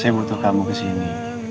saya butuh kamu kesini